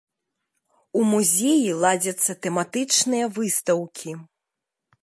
У музеі ладзяцца тэматычныя выстаўкі.